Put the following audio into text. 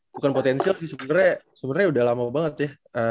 bukan potensial sih sebenernya sebenernya udah lama banget ya